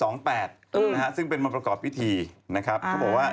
ซึ่งเป็นมาประกอบพิธีนะครับเขาบอกว่า